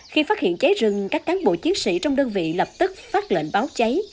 khi phát hiện cháy rừng các cán bộ chiến sĩ trong đơn vị lập tức phát lệnh báo cháy